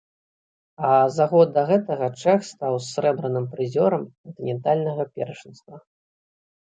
А за год да гэтага чэх стаў срэбраным прызёрам кантынентальнага першынства.